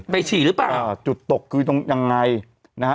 ฉี่หรือเปล่าอ่าจุดตกคือตรงยังไงนะฮะ